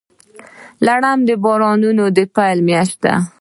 لړم د بارانونو د پیل میاشت ده.